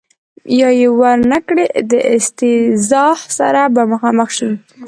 یا یې ور نه کړي د استیضاح سره به مخامخ شي.